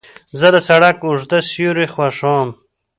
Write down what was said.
زه د سړک اوږده سیوري خوښوم.